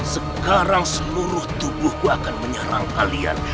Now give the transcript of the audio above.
sekarang seluruh tubuhku akan menyerang kalian